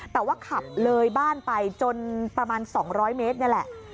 แต่ว่าขับเลยบ้านไปจนประมาณ๒๐๐เมตรนี่แหละ